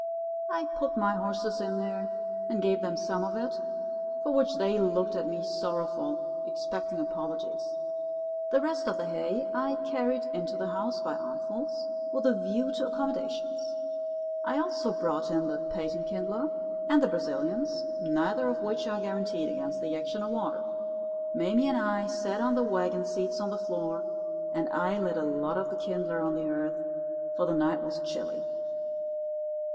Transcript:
I put my horses in there and gave them some of it, for which they looked at me sorrowful, expecting apologies. The rest of the hay I carried into the house by armfuls, with a view to accommodations. I also brought in the patent kindler and the Brazilians, neither of which are guaranteed against the action of water. "Mame and I sat on the wagon seats on the floor, and I lit a lot of the kindler on the hearth, for the night was chilly.